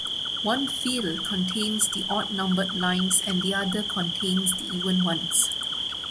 One field contains the odd-numbered lines and the other contains the even ones.